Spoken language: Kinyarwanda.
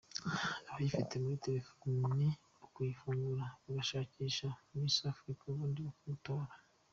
Abayifite muri terefone ni ukuyifungura bagashakisha Misi Afurika ubundi bakamutora.